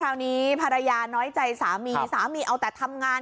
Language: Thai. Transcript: คราวนี้ภรรยาน้อยใจสามีสามีเอาแต่ทำงาน